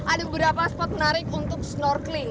ada beberapa spot menarik untuk snorkeling